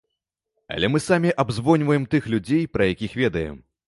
Але мы самі абзвоньваем тых людзей пра якіх ведаем.